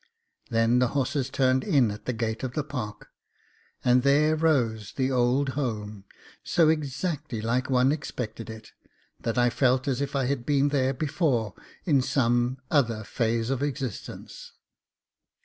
Then the horses turned in at the gate of the park, and there rose the old home, so exactly like what one expected it, that I felt as if I had been there before in some other phase of existence.